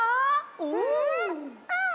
うん。